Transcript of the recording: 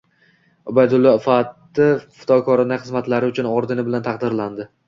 Ubaydulla Uvatov Fidokorona xizmatlari uchun ordeni bilan taqdirlandi